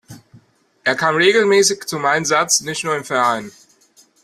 Er kam regelmäßig zum Einsatz, nicht nur im Verein.